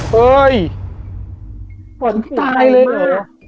เฮ้ยตายเลยหรอ